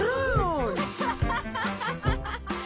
ハハハハハ！